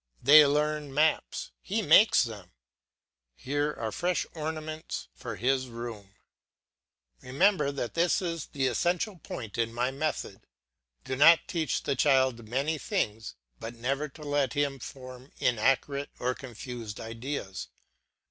They learn maps, he makes them. Here are fresh ornaments for his room. Remember that this is the essential point in my method Do not teach the child many things, but never to let him form inaccurate or confused ideas.